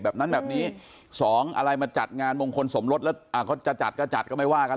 แบบนั้นแบบนี้สองอะไรมาจัดงานมงคลสมรสแล้วเขาจะจัดก็จัดก็ไม่ว่ากัน